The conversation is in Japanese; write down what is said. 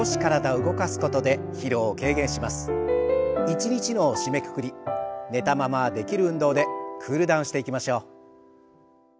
一日の締めくくり寝たままできる運動でクールダウンしていきましょう。